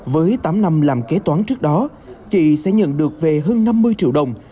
với tám năm làm kế toán trước đó chị sẽ nhận được về hơn năm mươi triệu đồng